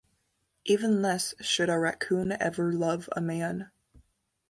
Even less should a racoon ever love a man.